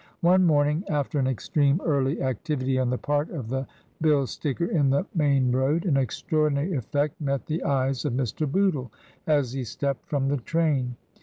One morning, after an extreme early activity on the part of the bill TRANSITION. 211 sticker in the main road, an extraordinary effect met the ^y^s of Mr. Bootle as he stepped from the train.